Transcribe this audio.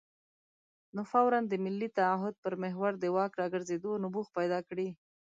نو فوراً د ملي تعهد پر محور د واک راګرځېدلو نبوغ پیدا کړي.